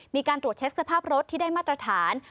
มีการตรวจเช็คสภาพรถที่ได้มาตรฐาน